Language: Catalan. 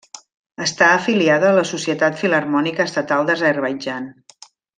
Està afiliada a la Societat Filharmònica Estatal d'Azerbaidjan.